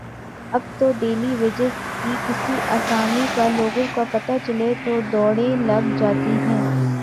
اب تو daily wages کی کسی آسامی کا لوگوں کو پتہ چلے تو دوڑیں لگ جاتی ہیں۔